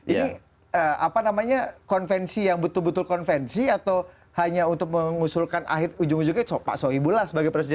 ini apa namanya konvensi yang betul betul konvensi atau hanya untuk mengusulkan akhir ujung ujungnya pak sohibullah sebagai presiden